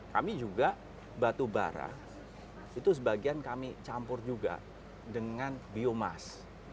kami juga batu bara itu sebagian kami campur juga dengan biomas